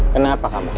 kenapa kamu kecil